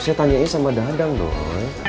saya tanyain sama dadang doang